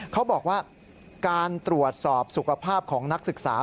เขาบอกว่าการตรวจสอบสุขภาพของนักศึกษา